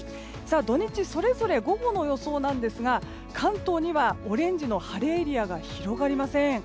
土日それぞれ午後の予想ですが関東にはオレンジの晴れエリアが広がりません。